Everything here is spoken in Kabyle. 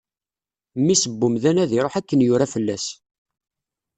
Mmi-s n umdan ad iṛuḥ akken yura fell-as.